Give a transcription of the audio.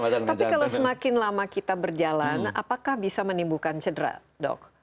tapi kalau semakin lama kita berjalan apakah bisa menimbulkan cedera dok